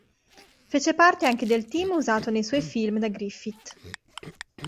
Fece parte anche del team usato nei suoi film da Griffith.